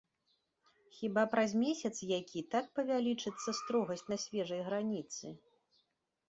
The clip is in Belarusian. Хіба праз месяц які так павялічыцца строгасць на свежай граніцы?